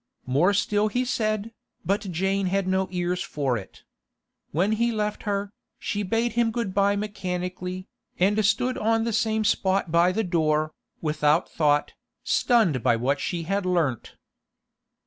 More still he said, but Jane had no ears for it. When he left her, she bade him good bye mechanically, and stood on the same spot by the door, without thought, stunned by what she had learnt.